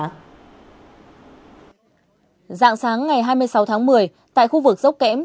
dạng sáng ngày hai mươi sáu tháng một mươi tại khu vực dốc kém